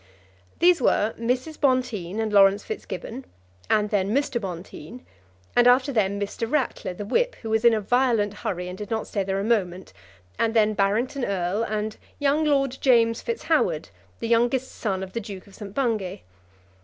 These were Mrs. Bonteen and Laurence Fitzgibbon, and then Mr. Bonteen, and after them Mr. Ratler, the Whip, who was in a violent hurry, and did not stay there a moment, and then Barrington Erle and young Lord James Fitz Howard, the youngest son of the Duke of St. Bungay.